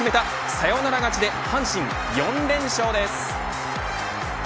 サヨナラ勝ちで阪神４連勝です。